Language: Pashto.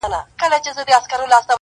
زه به درسمه په لپه منګی ورو ورو ډکومه!.